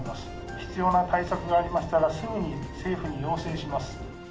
必要な対策がありましたら、すぐに政府に要請します。